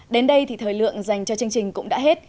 đến đây thì thời lượng dành cho chương trình cũng đã hết